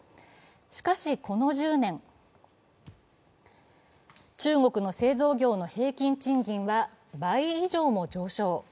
しかし、この１０年、中国の製造業の平均賃金は倍以上も上昇。